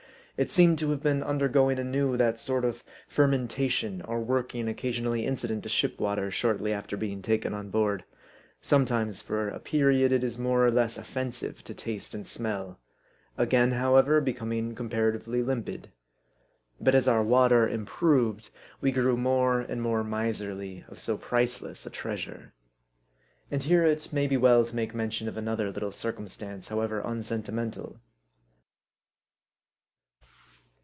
It seemed to have been undergoing anew that sort of fermentation, or working, occasionally incident to ship water shortly after being taken on board. Sometimes, for a period, it is more or less offensive to taste and smell ; again, however, becoming comparatively limpid. But as our water improved, we grew more and more miserly of so priceless a treasure. And here it may be well to make mention of another little circumstance, however unsentimental.